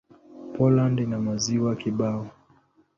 Poland ina maziwa kibao.